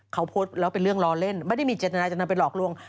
เขาโพสต์แล้วเป็นเรื่องล้อเล่นไม่ได้มีเจตนาจะนำไปหลอกลวง